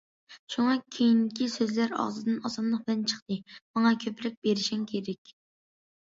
شۇڭا كېيىنكى سۆزلەر ئاغزىدىن ئاسانلىق بىلەن چىقتى،- ماڭا كۆپرەك بېرىشىڭ كېرەك.